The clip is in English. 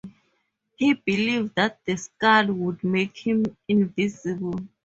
He believed that the skull would make him invisible.